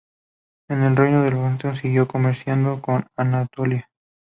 El reino del Bósforo siguió comerciando con Anatolia.